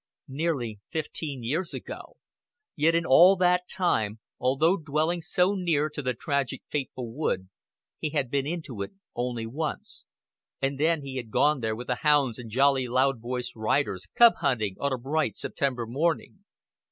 Nearly fifteen years ago; yet in all that time, although dwelling so near to the tragic fateful wood, he had been into it only once and then he had gone there with the hounds and jolly loud voiced riders, cub hunting, on a bright September morning.